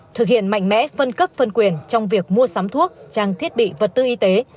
thực hiện mạnh mẽ phân cấp phân quyền trong việc mua sắm thuốc trang thiết bị vật tư y tế